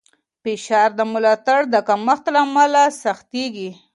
فشار د ملاتړ د کمښت له امله سختېږي.